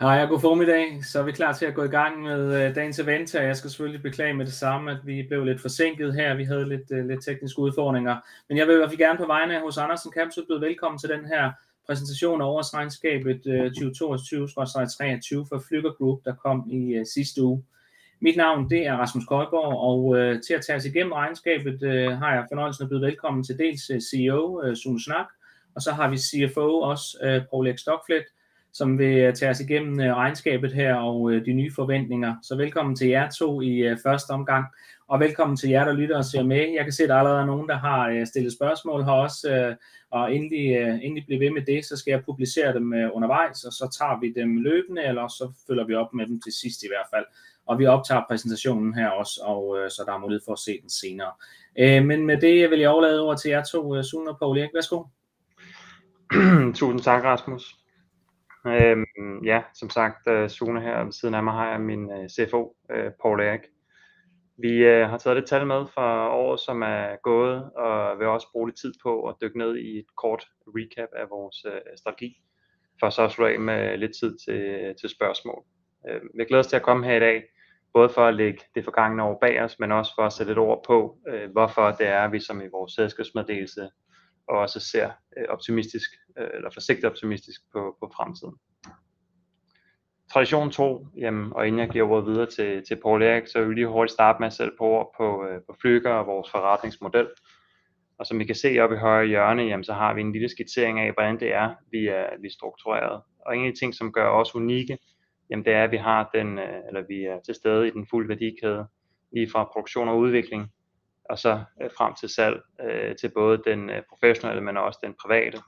Vi er klar til at gå i gang med dagens event, og jeg skal selvfølgelig beklage med det samme, at vi blev lidt forsinket her. Vi havde lidt tekniske udfordringer, men jeg vil i hvert fald gerne på vegne af H.C. Andersen Capital byde velkommen til den her præsentation af årsregnskabet. 2022/23 for Flügger Group, der kom i sidste uge. Mit navn er Rasmus Køjborg, og til at tage os igennem regnskabet har jeg fornøjelsen at byde velkommen til dels CEO Sune Schnack, og så har vi CFO også Poul Erik Stockfleth, som vil tage os igennem regnskabet her og de nye forventninger. Velkommen til jer to i første omgang og velkommen til jer, der lytter og ser med. Jeg kan se, at der allerede er nogen, der har stillet spørgsmål her også. Endelig, endelig bliv ved med det, så skal jeg publicere dem undervejs, så tager vi dem løbende, eller også så følger vi op med dem til sidst i hvert fald. Vi optager præsentationen her også, så der er mulighed for at se den senere. Med det vil jeg overlade ordet til jer to. Sune og Poul Erik. Værsgo. Tusind tak, Rasmus. Som sagt Sune. Her ved siden af mig har jeg min CFO, Poul Erik. Vi har taget lidt tal med for året, som er gået og vil også bruge lidt tid på at dykke ned i et kort recap af vores strategi. For så at slutte af med lidt tid til spørgsmål. Jeg glæder os til at komme her i dag. Både for at lægge det forgangne år bag os, men også for at sætte lidt ord på, hvorfor det er, at vi som i vores selskabsmeddelelse også ser optimistisk eller forsigtigt optimistisk på fremtiden. Tradition tro, jamen, og inden jeg giver ordet videre til Poul Erik, så vil vi lige hurtigt starte med at sætte et par ord på Flügger og vores forretningsmodel. Som I kan se oppe i højre hjørne, så har vi en lille skitsering af, hvordan det er vi er struktureret og en af de ting, som gør os unikke. Jamen, det er, at vi er til stede i den fulde værdikæde lige fra produktion og udvikling og så frem til salg til både den professionelle, men også den private.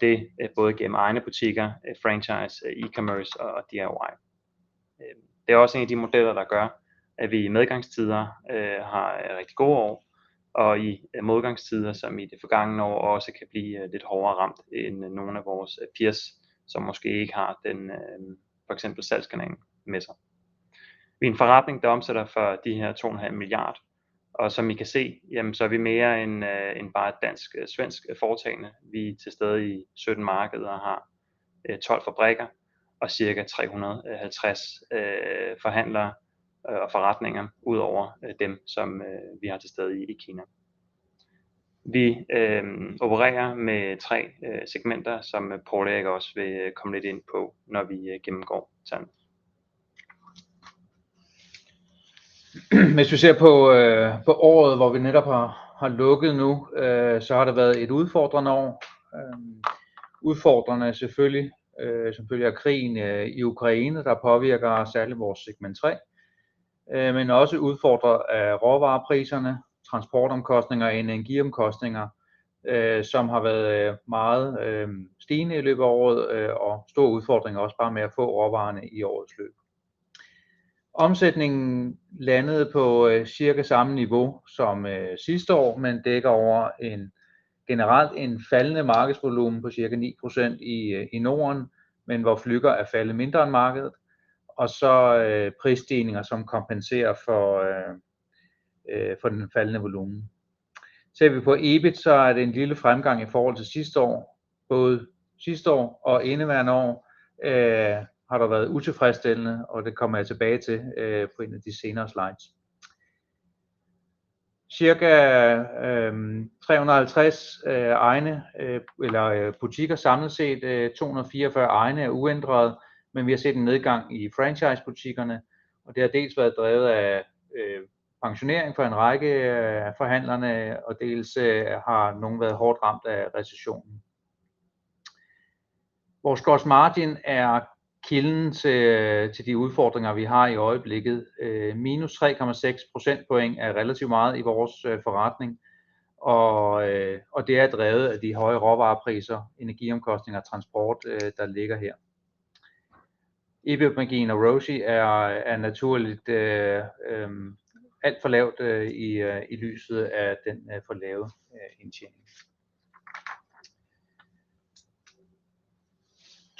Det både gennem egne butikker, franchise, e-commerce og DIY. Det er også en af de modeller, der gør, at vi i medgangstider har rigtig gode år og i modgangstider, som i de forgangne år også kan blive lidt hårdere ramt end nogle af vores peers, som måske ikke har den for eksempel salgskanal med sig. Vi er en forretning, der omsætter for de her 2.5 billion, som I kan se, jamen så er vi mere end bare et dansk svensk foretagende. Vi er til stede i 17 markeder og har 12 fabrikker og cirka 350 forhandlere og forretninger udover dem, som vi har til stede i China. Vi opererer med 3 segmenter, som Poul Erik også vil komme lidt ind på, når vi gennemgår tallene. Hvis vi ser på året, hvor vi netop har lukket nu, så har det været et udfordrende år. Udfordrende selvfølgelig som følge af krigen i Ukraine, der påvirker særligt vores Segment 3, men også udfordret af råvarepriserne. Transportomkostninger og energiomkostninger, som har været meget stigende i løbet af året og store udfordringer også bare med at få råvarerne i årets løb. Omsætningen landede på cirka samme niveau som sidste år, men dækker over en generelt en faldende markedsvolumen på cirka 9% i Norden. Hvor Flügger er faldet mindre end markedet og så prisstigninger, som kompenserer for den faldende volumen. Ser vi på EBIT, så er det en lille fremgang i forhold til sidste år. Både sidste år og indeværende år har der været utilfredsstillende, og det kommer jeg tilbage til på en af de senere slides. Cirka 350 egne eller butikker, samlet set 244 egne, er uændret. Vi har set en nedgang i franchise butikkerne, og det har dels været drevet af pensionering fra en række af forhandlerne, og dels har nogle været hårdt ramt af recessionen. Vores gross margin er kilden til de udfordringer, vi har i øjeblikket. Minus 3.6 percentage points er relativt meget i vores forretning, og det er drevet af de høje råvarepriser, energiomkostninger og transport, der ligger her. EBIT margin og ROSI er naturligt alt for lavt i lyset af den for lave indtjening.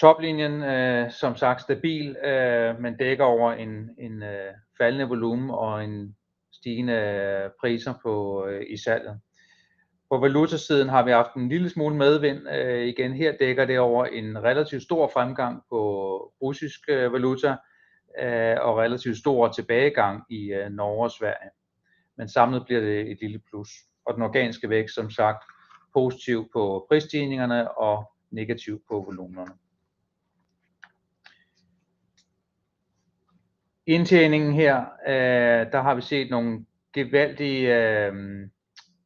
Toplinjen som sagt stabil, dækker over en faldende volumen og en stigende priser på i salget. På valutasiden har vi haft en lille smule medvind igen. Her dækker det over en relativt stor fremgang på russisk valuta og relativt stor tilbagegang i Norge og Sverige. Samlet bliver det et lille plus og den organiske vækst som sagt positiv på prisstigningerne og negativt på volumenerne. Indtjeningen her. Der har vi set nogle gevaldige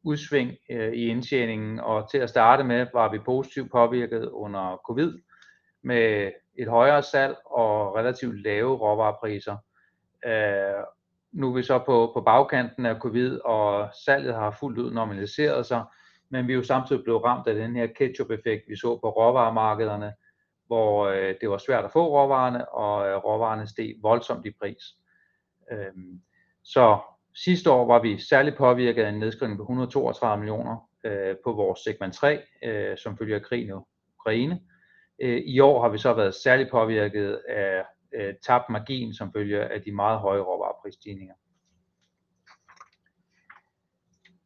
udsving i indtjeningen, og til at starte med var vi positivt påvirket under COVID med et højere salg og relativt lave råvarepriser. Nu er vi så på bagkanten af COVID, og salget har fuldt ud normaliseret sig. Vi er jo samtidig blevet ramt af den her ketchup effect, vi så på råvaremarkederne, hvor det var svært at få råvarerne, og råvarerne steg voldsomt i pris. Sidste år var vi særligt påvirket af en nedskrivning på 132 million på vores Segment 3, som følge af krigen i Ukraine. I år har vi så været særligt påvirket af tabt margin som følge af de meget høje råvareprisstigninger.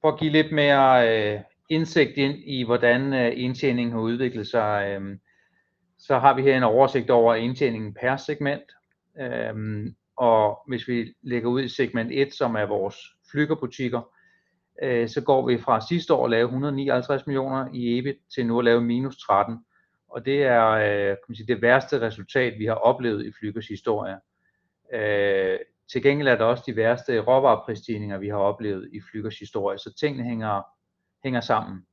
For at give lidt mere indsigt ind i, hvordan indtjeningen har udviklet sig, så har vi her en oversigt over indtjeningen per segment. Hvis vi lægger ud i Segment 1, som er vores Flügger butikker, så går vi fra sidste år at lave 159 million i EBIT til nu at lave minus 13 million, og det er det værste resultat, vi har oplevet i Flüggers historie. Til gengæld er der også de værste råvareprisstigninger, vi har oplevet i Flüggers historie, så tingene hænger sammen.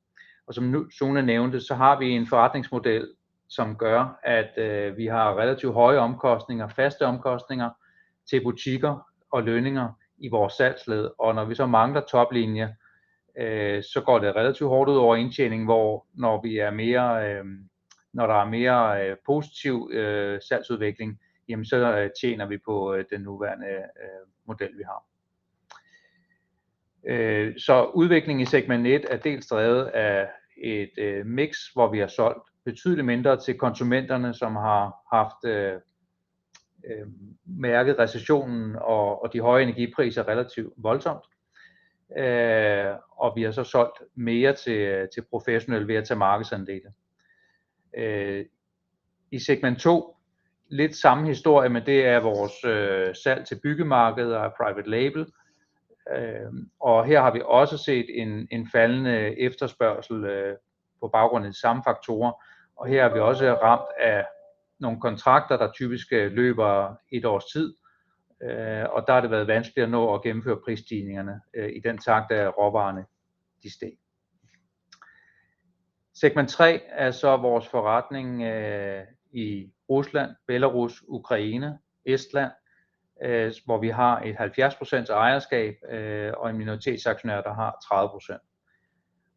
Som Sune nævnte, så har vi en forretningsmodel, som gør, at vi har relativt høje omkostninger, faste omkostninger til butikker og lønninger i vores salgsled. Når vi så mangler toplinje, så går det relativt hårdt ud over indtjeningen. Når der er mere positiv salgsudvikling, jamen så tjener vi på den nuværende model, vi har. Udviklingen i Segment 1 er dels drevet af et miks, hvor vi har solgt betydeligt mindre til konsumenterne, som har haft mærket recessionen og de høje energipriser relativt voldsomt. Vi har så solgt mere til professionelle ved at tage markedsandele. I Segment 2 lidt samme historie, men det er vores salg til byggemarkeder og private label. Her har vi også set en faldende efterspørgsel på baggrund af de samme faktorer. Her er vi også ramt af nogle kontrakter, der typisk løber 1 års tid, og der har det været vanskeligt at nå at gennemføre prisstigningerne i den takt, at råvarerne de steg. Segment 3 er vores forretning i Rusland, Belarus, Ukraine, Estland, hvor vi har et 70% ejerskab og en minoritetsaktionær, der har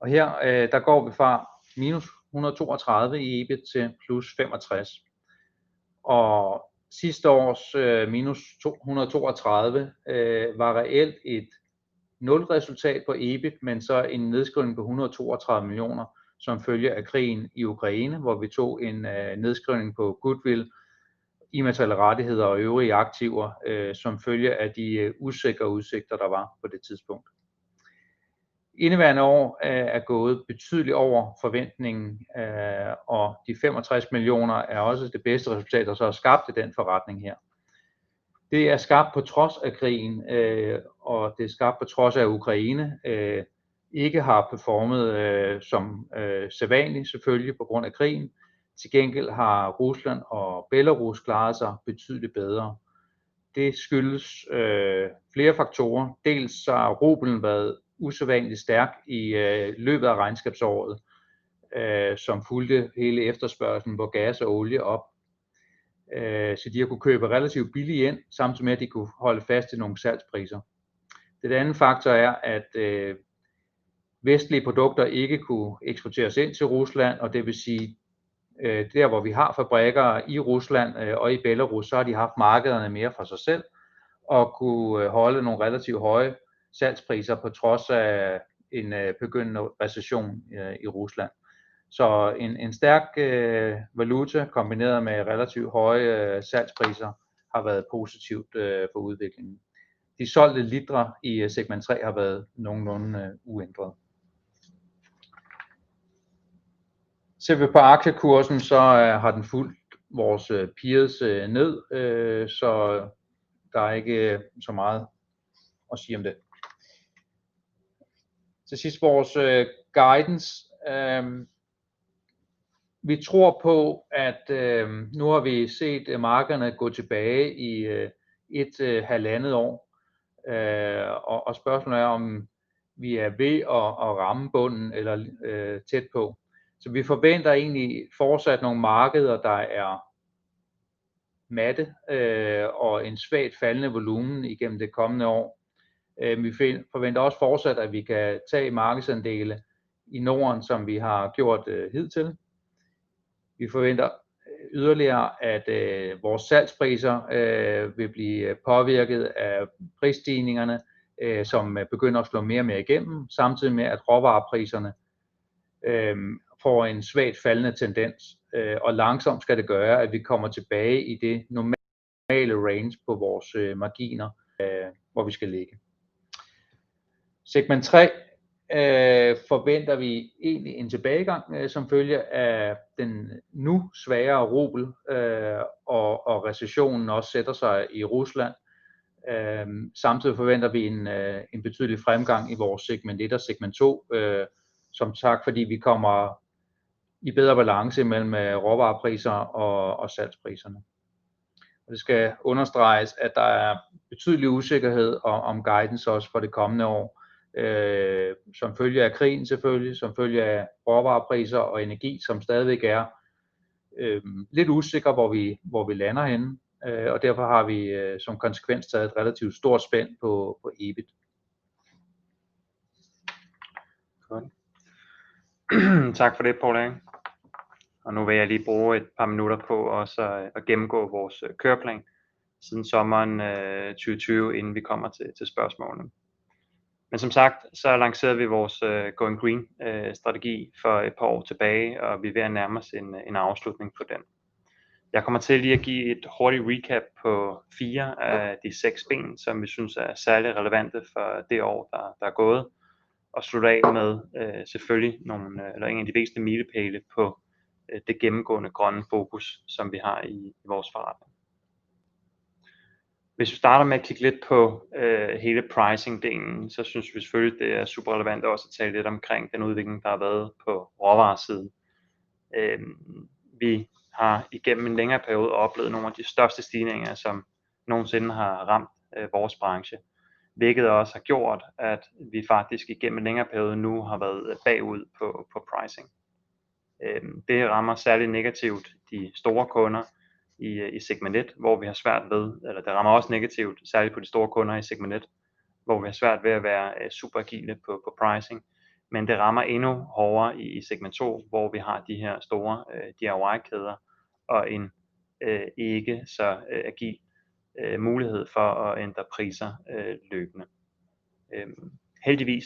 30%. Her går vi fra -132 million i EBIT til +65 million. Sidste års -232 million var reelt et nulresultat på EBIT, så en nedskrivning på 132 million som følge af krigen i Ukraine, hvor vi tog en nedskrivning på goodwill, immaterielle rettigheder og øvrige aktiver som følge af de usikre udsigter, der var på det tidspunkt. Indeværende år er gået betydeligt over forventning. De 65 million er også det bedste resultat, der er skabt i den forretning her. Det er skabt på trods af krigen. Det er skabt på trods af, at Ukraine ikke har performet som sædvanlig. Selvfølgelig på grund af krigen. Til gengæld har Rusland og Belarus klaret sig betydeligt bedre. Det skyldes flere faktorer. RUB har været usædvanlig stærk i løbet af regnskabsåret, som fulgte hele efterspørgslen på gas og olie op, så de har kunnet købe relativt billigt ind, samtidig med at de kunne holde fast i nogle salgspriser. Den anden faktor er, at vestlige produkter ikke kunne eksporteres ind til Rusland, og det vil sige der, hvor vi har fabrikker i Rusland og i Belarus, så har de haft markederne mere for sig selv og kunne holde nogle relativt høje salgspriser på trods af en begyndende recession i Rusland. En stærk valuta kombineret med relativt høje salgspriser har været positivt for udviklingen. De solgte litere i Segment 3 har været nogenlunde uændret. Ser vi på aktiekursen, så har den fulgt vores peers ned, så der er ikke så meget at sige om det. Til sidst vores guidance. Vi tror på, at nu har vi set markederne gå tilbage i 1.5 år, og spørgsmålet er, om vi er ved at ramme bunden eller tæt på. Vi forventer egentlig fortsat nogle markeder, der er matte og en svagt faldende volumen igennem det kommende år. Vi forventer også fortsat, at vi kan tage markedsandele i Norden, som vi har gjort hidtil. Vi forventer yderligere, at vores salgspriser vil blive påvirket af prisstigningerne, som begynder at slå mere og mere igennem, samtidig med at råvarepriserne får en svagt faldende tendens. Langsomt skal det gøre, at vi kommer tilbage i det normale range på vores marginer, hvor vi skal ligge. Segment 3 forventer vi egentlig en tilbagegang som følge af den nu svagere RUB, og at recessionen også sætter sig i Rusland. Samtidig forventer vi en betydelig fremgang i vores Segment 1 og Segment 2. Som tak, fordi vi kommer i bedre balance mellem råvarepriser og salgspriserne. Det skal understreges, at der er betydelig usikkerhed om guidance også for det kommende år som følge af krigen. Selvfølgelig som følge af råvarepriser og energi, som stadigvæk er lidt usikker, hvor vi, hvor vi lander henne, og derfor har vi som konsekvens taget et relativt stort spænd på på EBIT. Tak for det, Poul Erik. Nu vil jeg lige bruge 2 minutter på også at gennemgå vores køreplan siden sommeren 2020, inden vi kommer til spørgsmålene. Som sagt, så lancerede vi vores Going Green strategi for 2 år tilbage, og vi er ved at nærme os en afslutning på den. Jeg kommer til lige at give et hurtigt recap på 4 af de 6 ben, som vi synes er særligt relevante for det år, der er gået og slutter af med selvfølgelig nogle eller en af de væsentlige milepæle på det gennemgående grønne fokus, som vi har i vores forretning. Hvis vi starter med at kigge lidt på hele pricing delen, så synes vi selvfølgelig, det er super relevant også at tale lidt omkring den udvikling, der har været på råvaresiden. Vi har igennem en længere periode oplevet nogle af de største stigninger, som nogensinde har ramt vores branche, hvilket også har gjort, at vi faktisk igennem en længere periode nu har været bagud på pricing. Det rammer særligt negativt de store kunder i Segment 1, hvor vi har svært ved. Det rammer også negativt, særligt på de store kunder i Segment 1, hvor vi har svært ved at være super agile på pricing. Det rammer endnu hårdere i Segment 2, hvor vi har de her store DIY kæder og en ikke så agil mulighed for at ændre priser løbende. Heldigvis,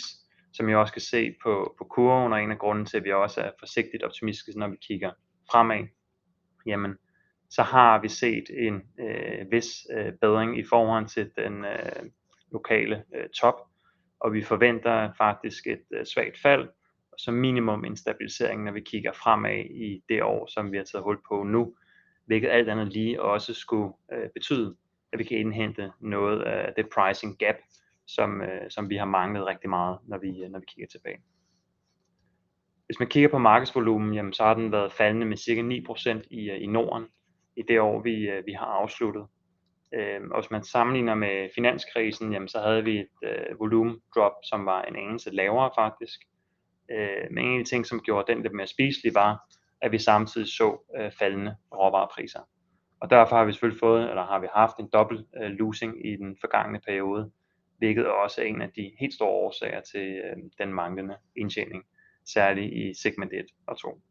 som I også kan se på på kurven, og en af grundene til, at vi også er forsigtigt optimistiske, når vi kigger fremad. Jamen så har vi set en vis bedring i forhold til den lokale top, Vi forventer faktisk et svagt fald og som minimum en stabilisering, når vi kigger fremad i det år, som vi har taget hul på nu. Hvilket alt andet lige også skulle betyde, at vi kan indhente noget af det pricing gab, som vi har manglet rigtig meget, når vi kigger tilbage. Hvis man kigger på markedsvolumen, jamen så har den været faldende med cirka 9% i Norden. I det år vi har afsluttet, Hvis man sammenligner med finanskrisen, jamen så havde vi et volumen drop, som var en anelse lavere. Faktisk. En af de ting, som gjorde den lidt mere spiselig, var, at vi samtidig så faldende råvarepriser, derfor har vi selvfølgelig fået, eller har vi haft en dobbelt losing i den forgangne periode, hvilket også er en af de helt store årsager til den manglende indtjening, særligt i Segment 1 og 2.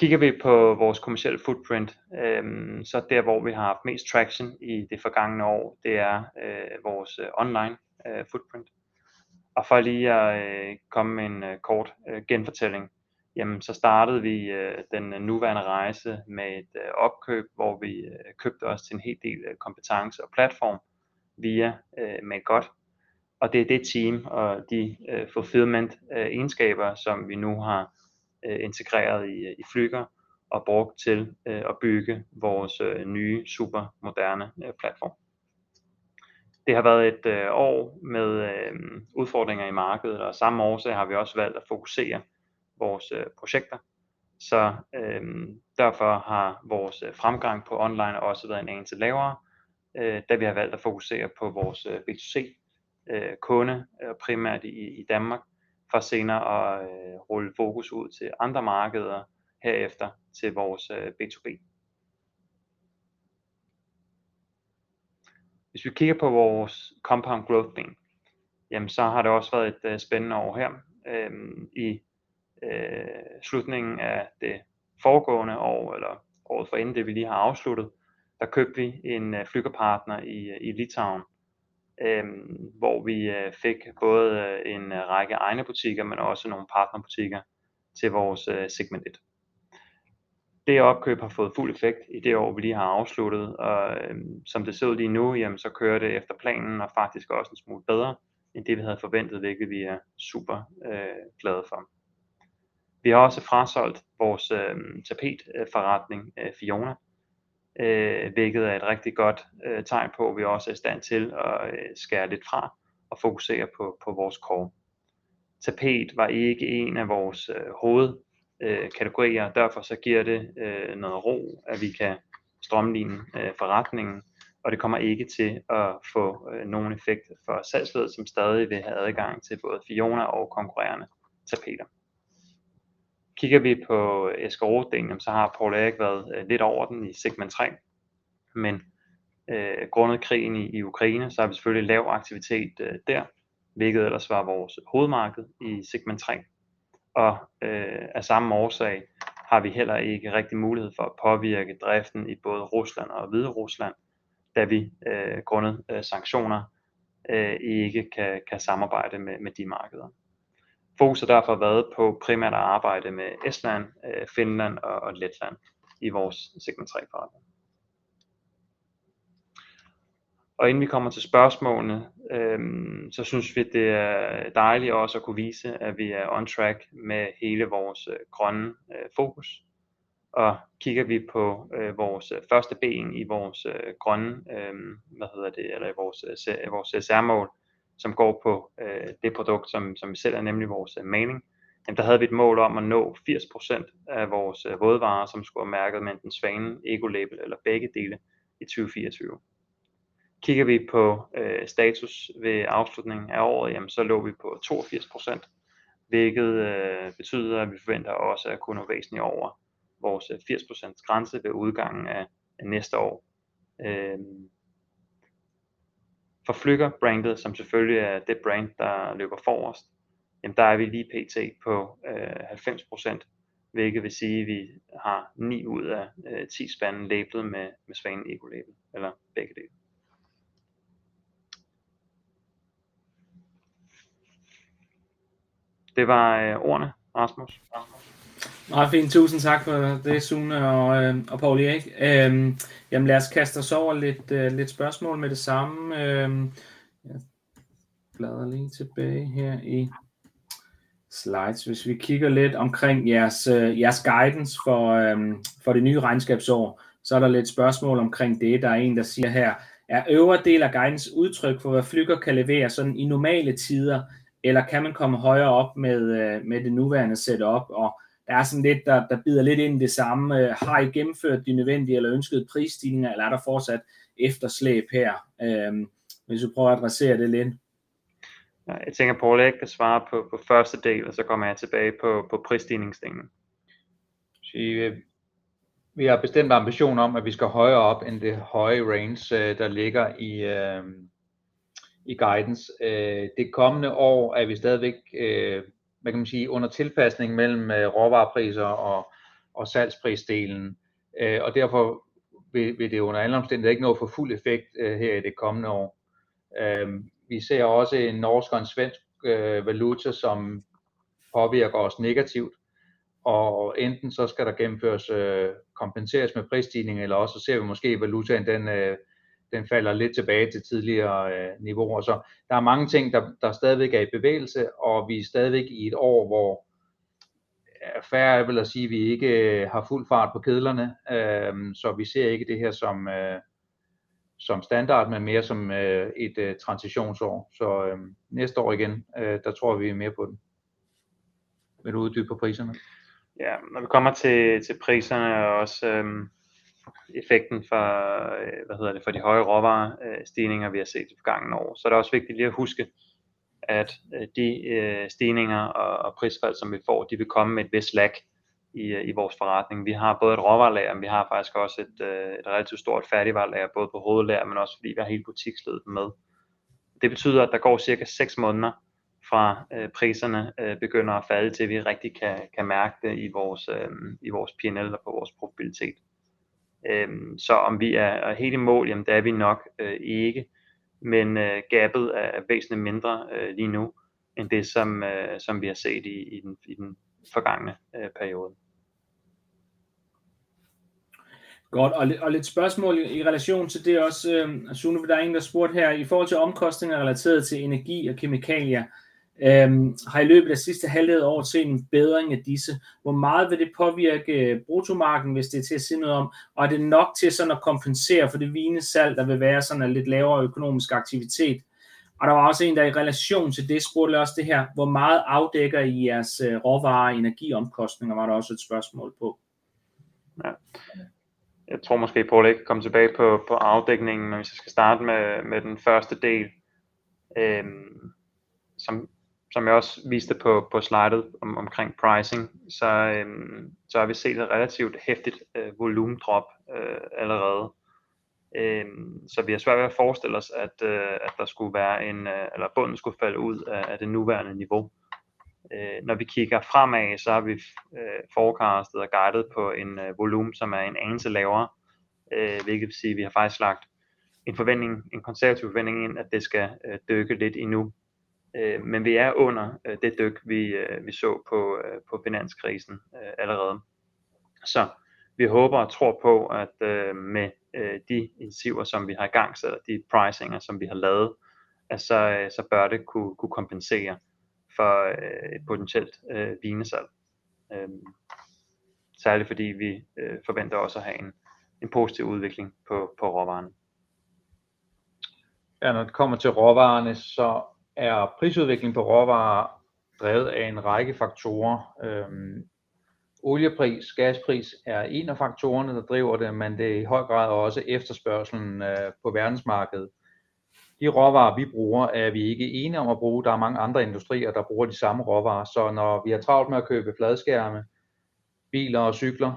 Kigger vi på vores kommercielle footprint, så der hvor vi har haft mest traktion i det forgangne år. Det er vores online footprint. For lige at komme med en kort genfortælling, jamen så startede vi den nuværende rejse med et opkøb, hvor vi købte os til en hel del kompetence og platform via Malgodt. Det er det team og de fulfillment egenskaber, som vi nu har integreret i Flügger og brugt til at bygge vores nye super moderne platform. Det har været et år med udfordringer i markedet. Af samme årsag har vi også valgt at fokusere vores projekter. Derfor har vores fremgang på online også været en anelse lavere, da vi har valgt at fokusere på vores B2C kunde primært i Danmark. Senere at rulle fokus ud til andre markeder, herefter til vores B2B. Hvis vi kigger på vores compound growth ben, jamen så har det også været et spændende år her i slutningen af det foregående år eller året forinden. Det vi lige har afsluttet, der købte vi en Flügger partner i Litauen, hvor vi fik både en række egne butikker, men også nogle partner butikker til vores Segment 1. Det opkøb har fået fuld effekt i det år, vi lige har afsluttet. Som det ser ud lige nu, jamen så kører det efter planen og faktisk også en smule bedre end det, vi havde forventet, hvilket vi er super glade for. Vi har også frasolgt vores tapet forretning Fiona, hvilket er et rigtig godt tegn på, at vi også er i stand til at skære lidt fra og fokusere på vores core. Tapet var ikke en af vores hovedkategorier, og derfor giver det noget ro, at vi kan strømline forretningen. Det kommer ikke til at få nogen effekt for salgsleddet, som stadig vil have adgang til både Fiona og konkurrerende tapeter. Kigger vi på Eskaro delen, så har Poul Erik været lidt over den i Segment 3. Grundet krigen i Ukraine, så er vi selvfølgelig lav aktivitet der, hvilket ellers var vores hovedmarked i Segment 3. Af samme årsag har vi heller ikke rigtig mulighed for at påvirke driften i både Russia og Belarus, da vi grundet sanktioner ikke kan samarbejde med de markeder. Fokus har derfor været på primært at arbejde med Estonia, Finland og Latvia i vores Segment 3 business. Inden vi kommer til spørgsmålene, så synes vi, det er dejligt også at kunne vise, at vi er on track med hele vores Going Green. Kigger vi på vores første ben i vores CSR goals, som går på det produkt, som vi sælger, nemlig vores maling. Der havde vi et mål om at nå 80% af vores vådvarer, som skulle være mærket med Svanemærket, EU Ecolabel eller begge dele i 2024. Kigger vi på status ved afslutningen af året, jamen så lå vi på 82%, hvilket betyder, at vi forventer også at kunne nå væsentligt over vores 80% grænse ved udgangen af næste år. For Flügger brandet, som selvfølgelig er det brand, der løber forrest. Jamen, der er vi lige pt. På 90%, hvilket vil sige, at vi har 9 ud af 10 spande label med Svanen, EU Ecolabel eller begge dele. Det var ordene. Rasmus. Meget fint. Tusind tak for det, Sune og Poul Erik. Lad os kaste os over lidt spørgsmål med det samme. Jeg bladrer lige tilbage her i slides. Hvis vi kigger lidt omkring jeres guidance for det nye regnskabsår, så er der lidt spørgsmål omkring det. Der er en, der siger her: Er øvre del af guidens udtryk for, hvad Flügger kan levere sådan i normale tider, eller kan man komme højere op med det nuværende setup? Der er sådan lidt, der bider lidt ind i det samme. Har I gennemført de nødvendige eller ønskede prisstigninger, eller er der fortsat efterslæb her? Hvis vi prøver at adressere det lidt. Jeg tænker, at Poul Erik kan svare på første del, og så kommer jeg tilbage på prisstigningstingen. Vi har bestemt ambition om, at vi skal højere op end det høje range, der ligger i, i guidance. Det kommende år er vi stadigvæk, hvad kan man sige, under tilpasning mellem råvarepriser og, og salgspris delen, og derfor vil, vil det under alle omstændigheder ikke nå at få fuld effekt her i det kommende år. Vi ser også en norsk og en svensk valuta, som påvirker os negativt, og enten så skal der gennemføres kompenseres med prisstigninger, eller også ser vi måske, at valutaen den, den falder lidt tilbage til tidligere niveauer. Så der er mange ting, der stadigvæk er i bevægelse, og vi er stadigvæk i et år, hvor fair er vel at sige, vi ikke har fuld fart på kedlerne. Så vi ser ikke det her som, som standard, men mere som et transitionsår. Så næste år igen, der tror vi mere på den. Vil du uddybe priserne? Når vi kommer til priserne og også effekten fra, hvad hedder det, fra de høje råvarestigninger, vi har set i det forgangne år, så er det også vigtigt lige at huske, at de stigninger og prisfald, som vi får, de vil komme med et vist lag i vores forretning. Vi har både et råvarelager, men vi har faktisk også et relativt stort færdigvarelager, både på hovedlageret, men også fordi vi har hele butiksleddet med. Det betyder, at der går cirka seks måneder, fra priserne begynder at falde, til vi rigtig kan mærke det i vores P&L og på vores profitabilitet. Så om vi er helt i mål? Jamen, det er vi nok ikke, men gappet er væsentligt mindre lige nu enn det, som vi har set i den forgangne periode. Godt, lidt spørgsmål i relation til det også, Sune. Der er en, der spurgte her i forhold til omkostninger relateret til energi og kemikalier. Har I i løbet af sidste 1.5 år set en bedring af disse? Hvor meget vil det påvirke bruttomarginalen, hvis det er til at sige noget om? Er det nok til at kompensere for det vigende salg, der vil være sådan af lidt lavere økonomisk aktivitet? Der var også en, der i relation til det spurgte jeg også det her: Hvor meget afdækker I jeres råvarer og energiomkostninger, var der også et spørgsmål på. Jeg tror måske Poul Erik Stockfleth kan komme tilbage på afdækningen. Hvis jeg skal starte med den første del, som jeg også viste på slidet omkring pricing, har vi set et relativt heftigt volumen drop allerede. Vi har svært ved at forestille os, at bunden skulle falde ud af det nuværende niveau. Når vi kigger fremad, har vi forecastet og guidet på en volumen, som er en anelse lavere, hvilket vil sige, at vi har faktisk lagt en forventning, en konservativ forventning ind, at det skal dykke lidt endnu. Vi er under det dyk, vi så på finanskrisen allerede. Vi håber og tror på, at med de initiativer, som vi har igangsat, og de prisinger, som vi har lavet, at så bør det kunne kompensere for et potentielt vigende salg. Særligt fordi vi forventer også at have en positiv udvikling på råvarerne. Når det kommer til råvarerne, så er prisudviklingen på råvarer drevet af en række faktorer. Oliepris, gaspris er en af faktorerne, der driver det, men det er i høj grad også efterspørgslen på verdensmarkedet. De råvarer, vi bruger, er vi ikke ene om at bruge. Der er mange andre industrier, der bruger de samme råvarer. Når vi har travlt med at købe fladskærme, biler og cykler,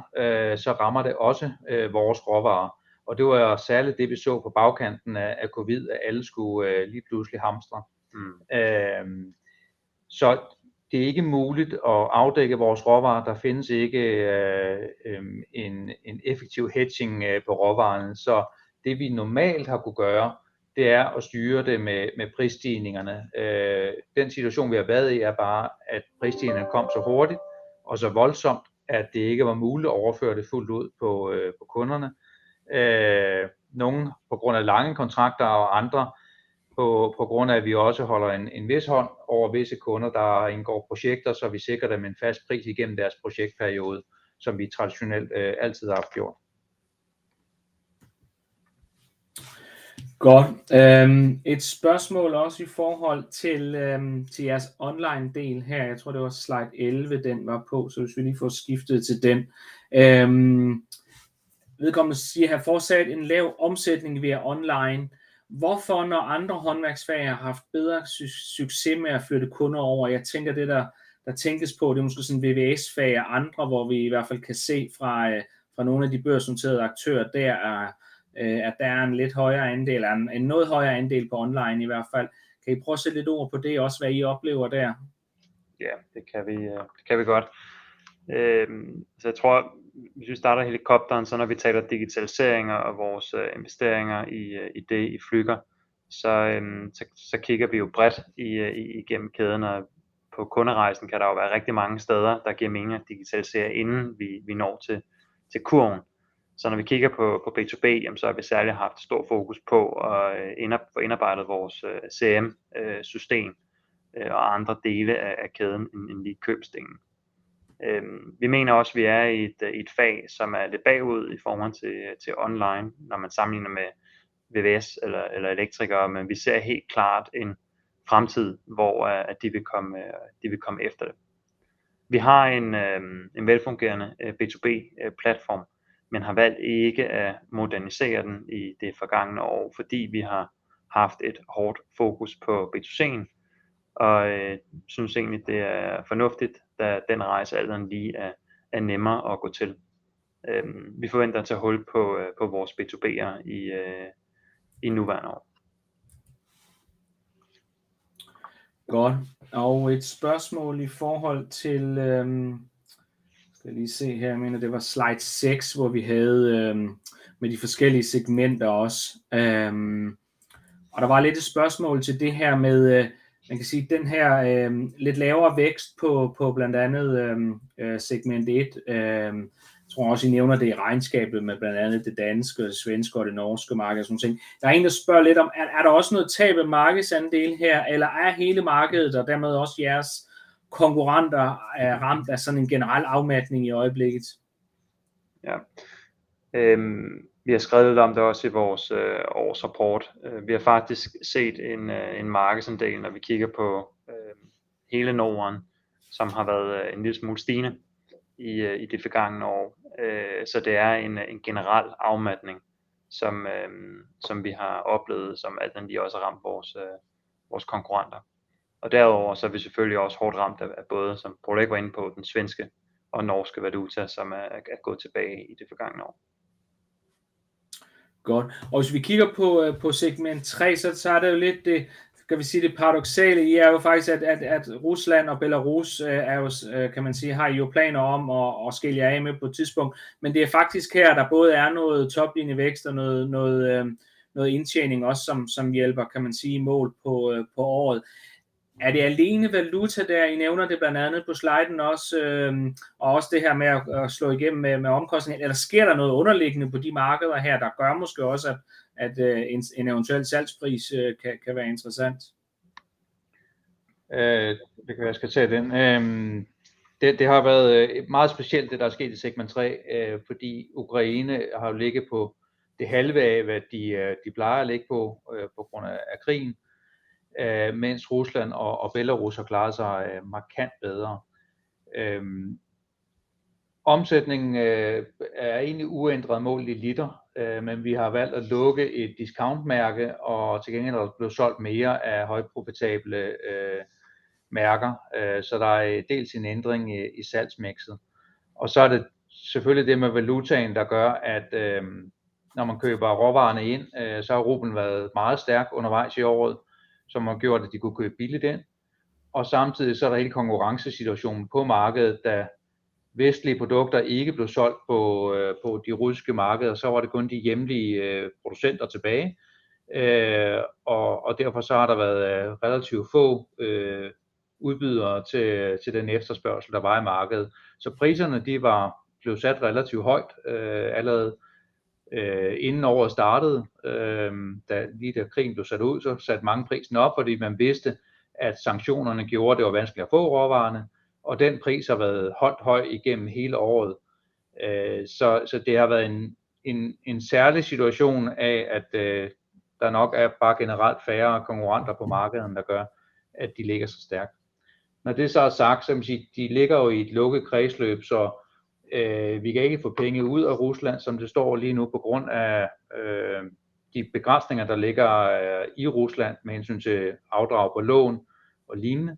så rammer det også vores råvarer. Det var særligt det, vi så på bagkanten af COVID, at alle skulle lige pludselig hamstre. Det er ikke muligt at afdække vores råvarer. Der findes ikke en effektiv hedging på råvarerne, så det vi normalt har kunnet gøre, det er at styre det med prisstigningerne. Den situation, vi har været i, er bare, at prisstigningerne kom så hurtigt og så voldsomt, at det ikke var muligt at overføre det fuldt ud på kunderne. Nogle på grund af lange kontrakter og andre på grund af, at vi også holder en vis hånd over visse kunder, der indgår projekter, så vi sikrer dem en fast pris igennem deres projektperiode, som vi traditionelt altid har gjort. Et spørgsmål også i forhold til jeres online del her. Jeg tror, det var slide 11, den var på, så hvis vi lige får skiftet til den. Vedkommende siger her: Fortsat en lav omsætning via online. Hvorfor når andre håndværksfag har haft bedre succes med at flytte kunder over? Jeg tænker, at det der tænkes på, det er måske sådan VVS faget og andre, hvor vi i hvert fald kan se fra nogle af de børsnoterede aktører, der at der er en lidt højere andel eller en noget højere andel på online i hvert fald. Kan I prøve at sætte lidt ord på det også, hvad I oplever der? Ja, det kan vi. Det kan vi godt. Jeg tror, hvis vi starter helikopteren, så når vi taler digitalisering og vores investeringer i det i Flügger, så kigger vi jo bredt i, igennem kæden og på kunderejsen kan der jo være rigtig mange steder, der giver mening at digitalisere, inden vi vi når til kurven. Når vi kigger på på B2B, jamen så har vi særligt haft stor fokus på at få indarbejdet vores CRM system og andre dele af kæden end lige købs delen. Vi mener også, vi er i et fag, som er lidt bagud i forhold til til online. Når man sammenligner med VVS eller elektrikere. Vi ser helt klart en fremtid, hvor de vil komme. De vil komme efter det. Vi har en velfungerende B2B platform, men har valgt ikke at modernisere den i det forgangne år, fordi vi har haft et hårdt fokus på B2C, og synes egentlig, det er fornuftigt, da den rejse alligevel lige er nemmere at gå til. Vi forventer at tage hul på vores B2B i nuværende år. Godt. Et spørgsmål i forhold til det skal jeg lige se her. Jeg mener, det var slide 6, hvor vi havde med de forskellige segmenter også. Der var lidt et spørgsmål til det her med, man kan sige den her lidt lavere vækst på på blandt andet Segment 1. Jeg tror også, I nævner det i regnskabet med blandt andet det danske, svenske og det norske marked og sådan nogle ting. Der er en, der spørger lidt om. Er der også noget tab af markedsandele her? Er hele markedet og dermed også jeres konkurrenter ramt af sådan en generel afmatning i øjeblikket? Vi har skrevet om det også i vores årsrapport. Vi har faktisk set en markedsandel, når vi kigger på hele Norden, som har været en lille smule stigende i de forgangne år. Det er en generel afmatning, som vi har oplevet, som også har ramt vores konkurrenter. Derudover så er vi selvfølgelig også hårdt ramt af både, som du var inde på den svenske og norske valuta, som er gået tilbage i det forgangne år. Godt. Hvis vi kigger på på Segment 3, så er det jo lidt. Det kan vi sige. Det paradoksale er jo faktisk, at Rusland og Belarus er os, kan man sige, har I jo planer om at skille jer af med på et tidspunkt, men det er faktisk her, der både er noget top linje vækst og noget noget noget indtjening også, som som hjælper, kan man sige i mål på på året. Er det alene valuta der? I nævner det blandt andet på sliden også. Også det her med at slå igennem med omkostninger. Eller sker der noget underliggende på de markeder her, der gør måske også, at en eventuel salgspris kan være interessant? skal tage den. Det har været meget specielt, det, der er sket i Segment 3, fordi Ukraine har jo ligget på det halve af, hvad de plejer at ligge på på grund af krigen, mens Rusland og Belarus har klaret sig markant bedre. Omsætningen er egentlig uændret målt i liter, men vi har valgt at lukke et discountmærke og til gengæld er der blevet solgt mere af højt profitable mærker. Så der er dels en ændring i salgsmixet, og så er det selvfølgelig det med valutaen, der gør, at når man køber råvarerne inn, så har rublen været meget stærk undervejs i året, som har gjort, at de kunne købe billigt inn. Og samtidig så er der hele konkurrencesituationen på markedet. Da vestlige produkter ikke blev solgt på de russiske markeder, var det kun de hjemlige producenter tilbage, og derfor har der været relativt få udbydere til den efterspørgsel, der var i markedet. Priserne var blev sat relativt højt allerede inden året startede. Da lige da krigen blev sat ud, satte mange prisen op, fordi man vidste, at sanktionerne gjorde, at det var vanskeligt at få råvarerne, og den pris har været holdt høj igennem hele året. Det har været en særlig situation af, at der nok er bare generelt færre konkurrenter på markedet, end der gør, at de ligger så stærkt. Når det så er sagt, så de ligger jo i et lukket kredsløb, så vi kan ikke få penge ud af Russia, som det står lige nu på grund af de begrænsninger, der ligger i Russia med hensyn til afdrag på lån og lignende.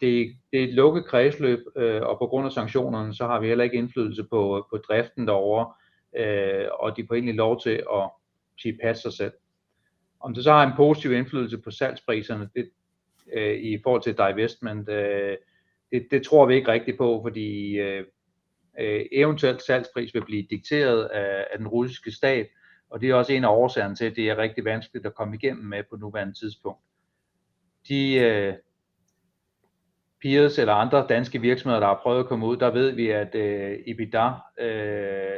Det er et lukket kredsløb, og på grund af sanktionerne, så har vi heller ikke indflydelse på driften derovre, og de får egentlig lov til at passe sig selv. Om det så har en positiv indflydelse på salgspriserne i forhold til divestment. Det tror vi ikke rigtig på, fordi eventuel salgspris vil blive dikteret af den russiske stat, og det er også en af årsagerne til, at det er rigtig vanskeligt at komme igennem med på nuværende tidspunkt. De peers eller andre danske virksomheder, der har prøvet at komme ud. Der ved vi, at EBITDA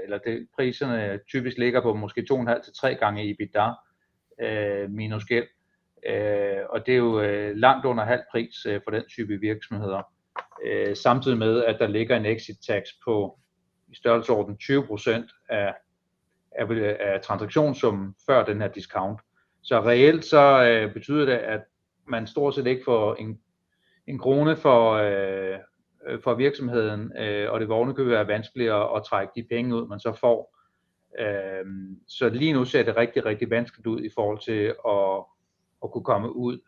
eller priserne typisk ligger på måske 2.5 til 3 gange EBITDA minus gæld, og det er jo langt under halv pris for den type virksomheder. Samtidig med at der ligger en exit-skat på i størrelsesordenen 20% af transaktionssummen før den her discount. Reelt så betyder det, at man stort set ikke får en krone for virksomheden, og det vil ovenikøbet være vanskeligt at trække de penge ud, man så får. Lige nu ser det rigtig vanskeligt ud i forhold til at kunne komme ud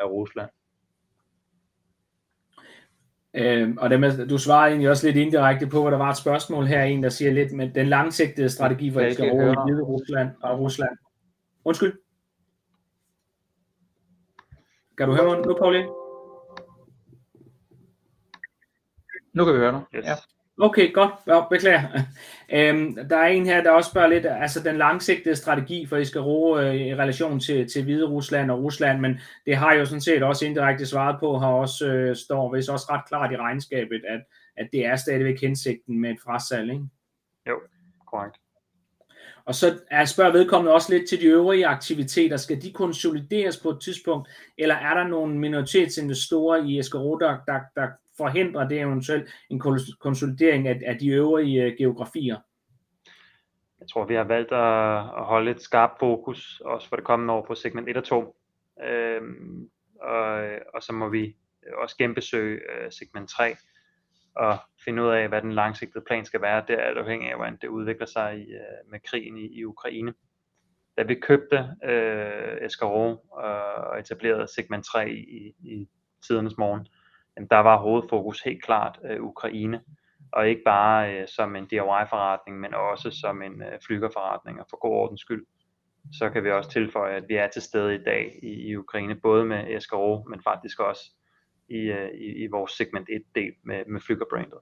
af Rusland. Du svarer egentlig også lidt indirekte på, hvad der var et spørgsmål her. En, der siger lidt med den langsigtede strategi for Belarus og Russia. Undskyld? Kan du høre mig nu, Poul Erik? Nu kan vi høre dig. Ja. Okay, godt. Jeg beklager. Der er en her, der også spørger lidt, altså den langsigtede strategi for Eskaro i relation til Hviderusland og Rusland. Det har I jo sådan set også indirekte svaret på. Her også står vist også ret klart i regnskabet, at det er stadigvæk hensigten med et frasalg, ikke? Jo, correct. Så spørger vedkommende også lidt til de øvrige aktiviteter. Skal de konsolideres på et tidspunkt, eller er der nogle minoritetsinvestorer i Eskaro, der forhindrer det, eventuelt en konsolidering af de øvrige geografier? Jeg tror, vi har valgt at holde et skarpt fokus også for det kommende år på Segment 1 og 2. Må vi også kæmpe søge Segment 3 og finde ud af, hvad den langsigtede plan skal være. Det er alt afhængig af, hvordan det udvikler sig i med krigen i Ukraine. Da vi købte Eskaro og etablerede Segment 3 i tidernes morgen, jamen der var hovedfokus helt klart Ukraine og ikke bare som en DIY forretning, men også som en Flügger forretning. For god ordens skyld, kan vi også tilføje, at vi er til stede i dag i Ukraine, både med Eskaro, men faktisk også i vores Segment 1 del med Flügger brandet.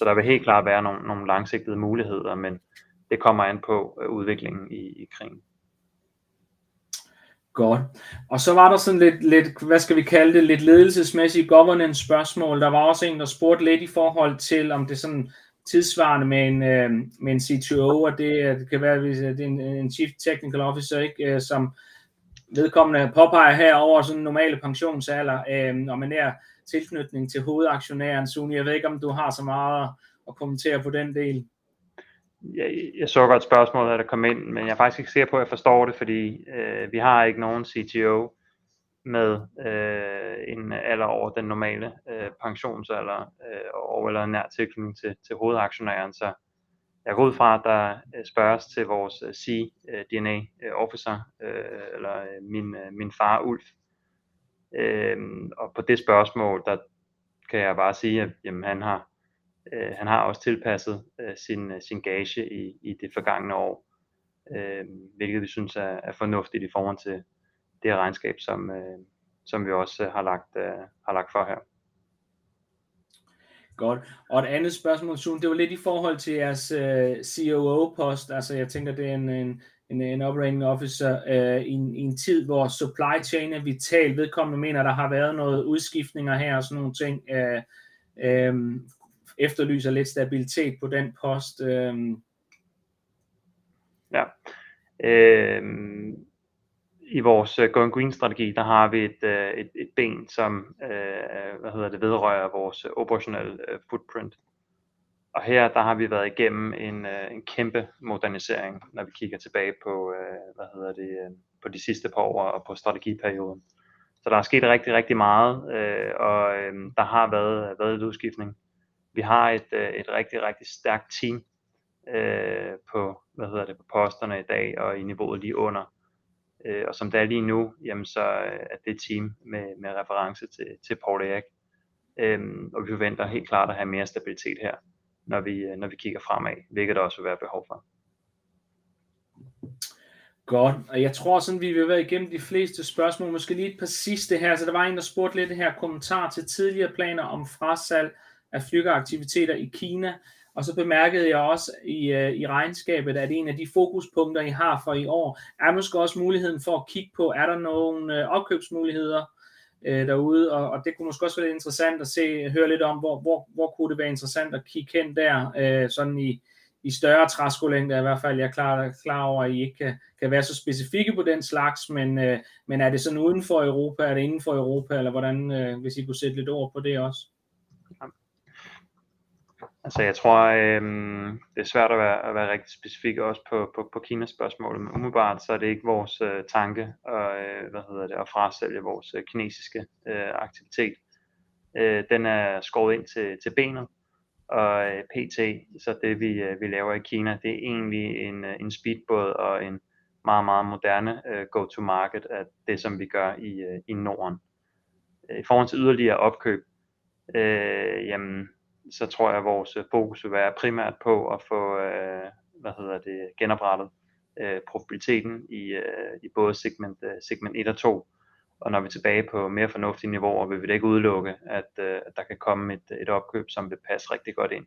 Der vil helt klart være nogle langsigtede muligheder, men det kommer an på udviklingen i krigen. Godt. Så var der sådan lidt, hvad skal vi kalde det, lidt ledelsesmæssige governance spørgsmål. Der var også en, der spurgte lidt i forhold til, om det er sådan tidssvarende med en CTO, og det kan være, at det er en Chief Technical Officer, ikke, som vedkommende påpeger her over sådan normal pensionsalder og med nær tilknytning til hovedaktionæren. Sune, jeg ved ikke, om du har så meget at kommentere på den del? Jeg så godt spørgsmålet, da det kom ind, men jeg er faktisk ikke sikker på, at jeg forstår det, fordi vi har ikke nogen CTO med en alder over den normale pensionsalder og eller nær tilknytning til hovedaktionæren. Jeg går ud fra, at der spørges til vores CDNA Officer eller min far Ulf. På det spørgsmål, der kan jeg bare sige, at jamen han har også tilpasset sin gage i det forgangne år, hvilket vi synes er fornuftigt i forhold til det regnskab, som vi også har lagt for her. Godt. Et andet spørgsmål, Sune, det var lidt i forhold til jeres COO post. Altså, jeg tænker, at det er en operating officer i en tid, hvor supply chain er vitalt. Vedkommende mener, at der har været noget udskiftninger her og sådan nogle ting. Efterlyser lidt stabilitet på den post. Ja. I vores Going Green strategy, der har vi et ben, som vedrører vores operationelle footprint, og her har vi været igennem en kæmpe modernisering, når vi kigger tilbage på de sidste par år og på strategy period. Der er sket rigtig meget, og der har været lidt udskiftning. Vi har et rigtig stærkt team på posterne i dag og i niveauet lige under. Som det er lige nu, jamen så er det team med reference til Poul Erik. Og vi forventer helt klart at have mere stabilitet her, når we kigger fremad, hvilket der også vil være behov for. Godt. Jeg tror sådan, vi vil være igennem de fleste spørgsmål. Måske lige et par sidste her. Der var en, der spurgte lidt her kommentar til tidligere planer om frasalg af Flügger aktiviteter i Kina. Bemærkede jeg også i regnskabet, at en af de fokuspunkter I har for i år, er måske også muligheden for at kigge på, om der er nogen opkøbsmuligheder derude, og det kunne måske også være interessant at se og høre lidt om, hvor, hvor kunne det være interessant at kigge hen der sådan i større træskolængde i hvert fald. Jeg er klart klar over, at I ikke kan være så specifikke på den slags. Er det sådan uden for Europa? Er det inden for Europa, eller hvordan? Hvis I kunne sætte lidt ord på det også. Jeg tror, det er svært at være rigtig specifik også på China-spørgsmålet. Umiddelbart så er det ikke vores tanke, at hvad hedder det, at frasælge vores Chinese aktivitet. Den er skåret ind til benet, og pt. så det vi laver i China, det er egentlig en speedbåd og en meget moderne go-to-market. Det som vi gør i Norden. I forhold til yderligere opkøb, så tror jeg, vores fokus vil være primært på at få, hvad hedder det, genoprettet profitabiliteten i både Segment 1 og 2. Når vi er tilbage på mere fornuftige niveauer, vil vi da ikke udelukke, at der kan komme et opkøb, som vil passe rigtig godt ind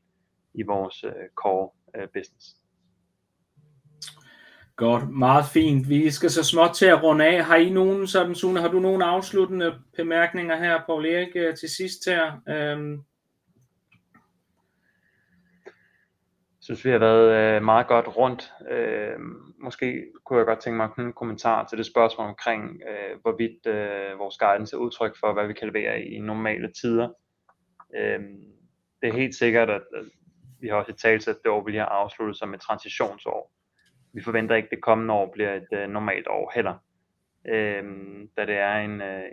i vores core business. Godt, meget fint. Vi skal så småt til at runde af. Har I nogen sådan Sune, har du nogle afsluttende bemærkninger her, Poul Erik, til sidst her? Jeg synes, vi har været meget godt rundt. Måske kunne jeg godt tænke mig at knytte en kommentar til det spørgsmål omkring, hvorvidt vores guidance er udtryk for, hvad vi kan levere i normale tider. Det er helt sikkert, at vi har også talt om, at det år, vi lige har afsluttet, som et transitionsår. Vi forventer ikke, at det kommende år bliver et normalt år heller, da det er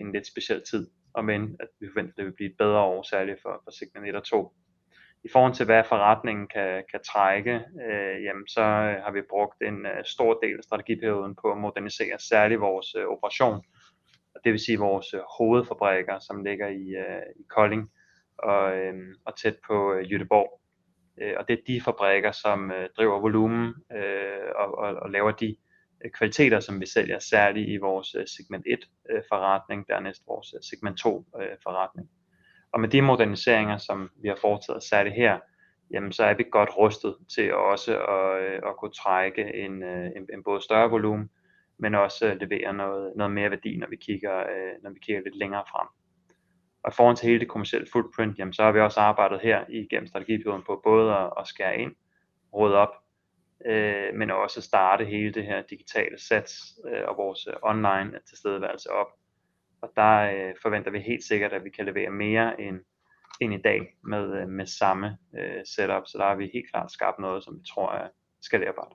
en lidt speciel tid, om end vi forventer, at det vil blive et bedre år, særligt for Segment 1 og 2. I forhold til hvad forretningen kan trække, jamen så har vi brugt en stor del af strategi perioden på at modernisere særligt vores operation, og det vil sige vores hovedfabrikker, som ligger i Kolding og tæt på Gøteborg. Det er de fabrikker, som driver volumen og laver de kvaliteter, som vi sælger, særligt i vores Segment 1 forretning, dernæst vores Segment 2 forretning. Med de moderniseringer, som vi har foretaget os særligt her, jamen så er vi godt rustet til også at kunne trække en både større volumen, men også levere noget mere værdi, når vi kigger lidt længere frem. I forhold til hele det kommercielle footprint, jamen så har vi også arbejdet her igennem strategi perioden på både at skære ind, rydde op, men også starte hele det her digitale sats og vores online tilstedeværelse op. Der forventer vi helt sikkert, at vi kan levere mere end i dag med samme setup. Der har vi helt klart skabt noget, som vi tror er skalerbart.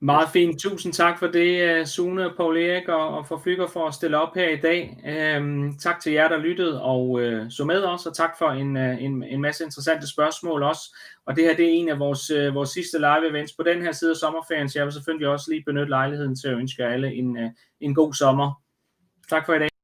Meget fint. Tusind tak for det Sune og Poul Erik og for Flügger for at stille op her i dag. Tak til jer, der lyttede og så med også og tak for en masse interessante spørgsmål også. Det her er en af vores sidste live events på den her side af sommerferien. Jeg vil selvfølgelig også lige benytte lejligheden til at ønske jer alle en god sommer. Tak for i dag!